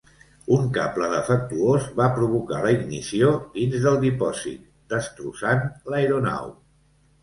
Un cable defectuós va provocar la ignició dins del dipòsit destrossant l'aeronau.